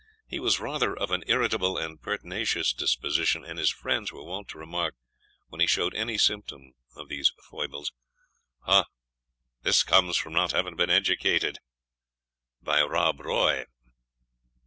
He was rather of an irritable and pertinacious disposition; and his friends were wont to remark, when he showed any symptom of these foibles, "Ah! this comes of not having been educated by Rob Roy."